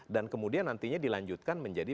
dan kemudian nantinya dilanjutkan menjadi